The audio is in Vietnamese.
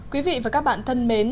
quý vị và các bạn thân mến